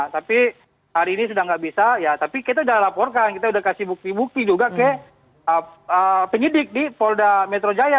tapi hari ini sudah nggak bisa ya tapi kita sudah laporkan kita sudah kasih bukti bukti juga ke penyidik di polda metro jaya